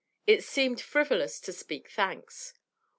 It seemed frivolous to speak thanks.